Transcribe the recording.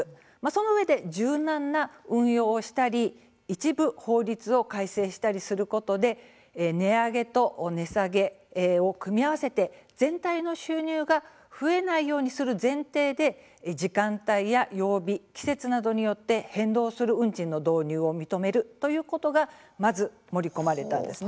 そのうえで、柔軟な運用をしたり一部、法律を改正したりすることで値上げと値下げを組み合わせて全体の収入が増えないようにする前提で時間帯や曜日、季節などによって変動する運賃の導入を認めるということがまず盛り込まれたんです。